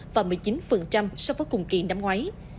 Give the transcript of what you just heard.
và một mươi chín so với cùng kỳ năm ngoái